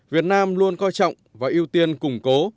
việt nam luôn coi trọng và ưu tiên củng cố